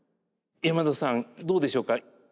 山田さんどうでしょうか？